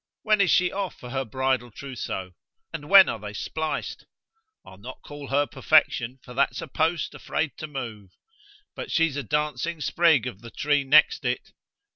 When is she off for her bridal trousseau? And when are they spliced? I'll not call her perfection, for that's a post, afraid to move. But she's a dancing sprig of the tree next it.